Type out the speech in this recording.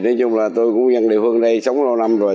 nói chung là tôi cũng dân địa phương đây sống lâu năm rồi